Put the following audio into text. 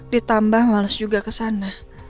ditambah malas juga ke sana